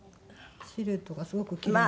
シルエットがすごくキレイ。